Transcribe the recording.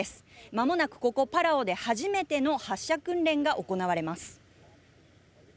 まもなくここパラオで初めての発射訓練が行われます。